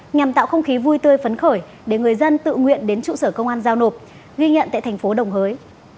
nhằm tạo không khí vui tươi phấn khởi để người dân tự nguyện đến trụ sở công an giao nộp ghi nhận tại thành phố đồng hới